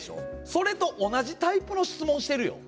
それと同じタイプの質問してるよ。